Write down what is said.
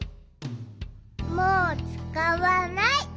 もうつかわない。